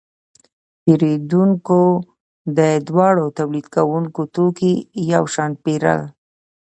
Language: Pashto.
پیرودونکو د دواړو تولیدونکو توکي یو شان پیرل.